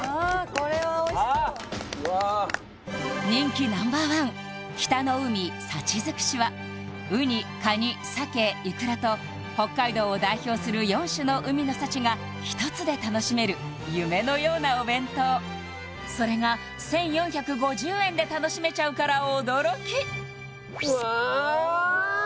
これはおいしそう人気Ｎｏ．１北の海幸づくしはうにカニ鮭いくらと北海道を代表する４種の海の幸が１つで楽しめる夢のようなお弁当それが１４５０円で楽しめちゃうから驚き・うわ